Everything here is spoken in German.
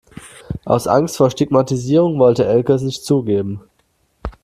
Aus Angst vor Stigmatisierung wollte Elke es nicht zugeben.